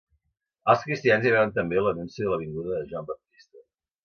Els cristians hi veuen també l'anunci de la vinguda de Joan Baptista.